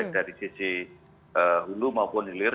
dari sisi hulu maupun hilir